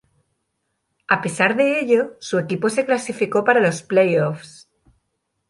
A pesar de ello, su equipo se clasificó para los Playoffs.